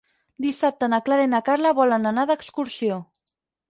Dissabte na Clara i na Carla volen anar d'excursió.